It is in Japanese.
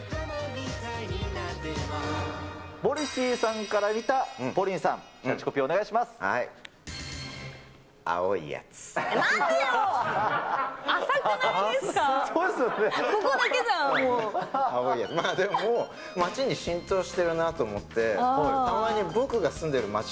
モリシーさんから見たポリンさん、きゃっちこぴーお願いします。